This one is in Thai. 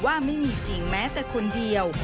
ว่าไม่มีจริงแม้แต่คนเดียว